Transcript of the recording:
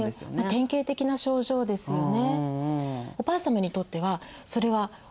典型的な症状ですよね。